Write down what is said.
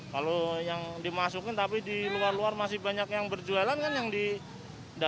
kalau yang dimasukkan tapi di luar luar masih banyak yang berjualan kan yang di dalam yang dilaporkan